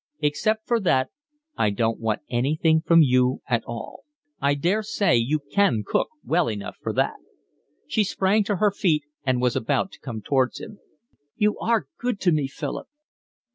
Except for that I don't want anything from you at all. I daresay you can cook well enough for that." She sprang to her feet and was about to come towards him. "You are good to me, Philip."